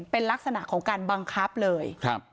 เป็นลักษณะของการบังคับเลย